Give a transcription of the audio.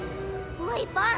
おいバン！